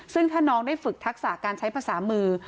ซึ่งถ้าน้องได้ฝึกทักษะการใช้ภาษามือ